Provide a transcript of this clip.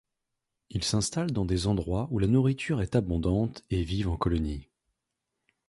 Ils s'installent dans des endroits où la nourriture est abondante et vivent en colonie.